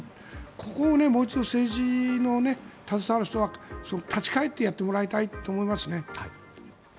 ここをもう一度政治に携わる人は立ち返ってやってもらいたいと思います。